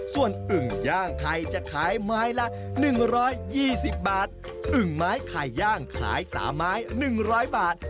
ส่วนอึงย่างไข่จะขายไม้ละหนึ่งร้อยยี่สิบบาทอึงไม้ไข่ย่างขายสามไม้หนึ่งร้อยบาท